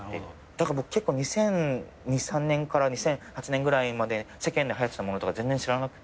だから結構２００２２００３年から２００８年ぐらいまで世間ではやってたものとか全然知らなくて。